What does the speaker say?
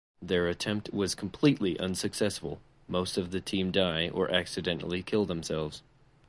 Their attempt was completely unsuccessful: most of the team die or accidentally kill themselves.